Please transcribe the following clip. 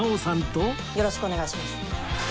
よろしくお願いします。